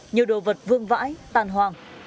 nhiều đồ vật vương vãi tàn hoàng